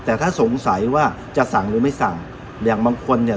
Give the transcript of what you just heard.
แต่ถ้าสงสัยว่าจะสั่งหรือไม่สั่งอย่างบางคนเนี่ย